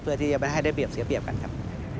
เพื่อที่จะไม่ให้ได้เปรียบเสียเปรียบกันครับ